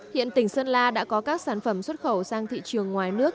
hiện tỉnh sơn la đã có các sản phẩm xuất khẩu sang thị trường ngoài nước